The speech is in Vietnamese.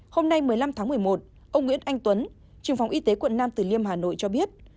hôm nay một mươi năm tháng một mươi một ông nguyễn anh tuấn trường phòng y tế quận nam tử liêm hà nội cho biết